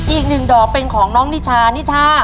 อีกหนึ่งดอกเป็นของน้องนิชานิชา